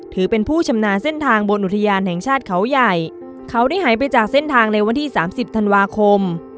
ถือเป็นผู้ชำนาญเส้นทางบนอุทยานแห่งชาติเขาใหญ่เขาได้หายไปจากเส้นทางในวันที่สามสิบธันวาคม